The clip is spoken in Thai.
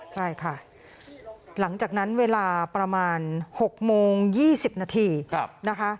ใช่ค่ะหลังจากนั้นเวลาประมาณ๖โมง๒๐นาทีนะคะ